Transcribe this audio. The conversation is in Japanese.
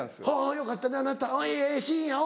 「よかったねあなた」ええシーンやおう。